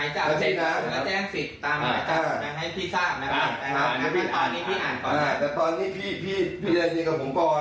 แต่ตอนนี้พี่แจ้งสิทธิ์กับผมก่อน